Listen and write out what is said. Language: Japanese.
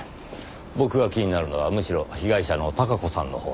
僕が気になるのはむしろ被害者の孝子さんのほうです。